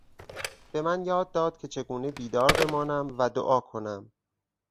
به من یاد داد که چگونه بیدار بمانم و دعا کنم.